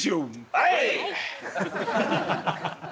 はい！